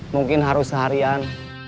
mungkin harus seharian